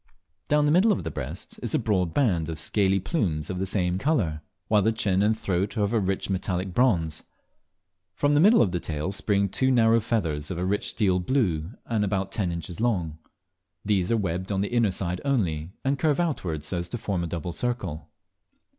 Down the middle of the breast is a broad band of scaly plumes of the same colour, while the chin and throat are of a rich metallic bronze. From the middle of the tail spring two narrow feathers of a rich steel blue, and about ten inches long. These are webbed on the inner side only, and curve outward, so as to form a double circle.